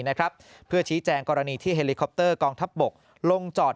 นะครับเพื่อชี้แจงกรณีที่เฮลิคอปเตอร์กองทัพบกลงจอด